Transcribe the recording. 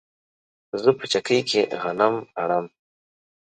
زه په چکۍ کې غنم اڼم